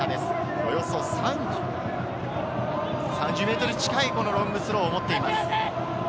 およそ３０ｍ近いロングスローを持っています。